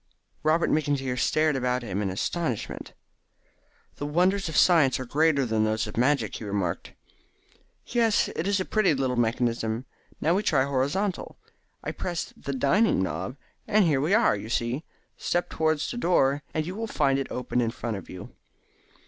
Robert McIntyre stared about him in astonishment. "The wonders of science are greater than those of magic," he remarked. "Yes, it is a pretty little mechanism. Now we try the horizontal. I press the 'Dining' knob and here we are, you see. Step towards the door, and you will find it open in front of you."